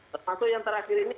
termasuk yang terakhir ini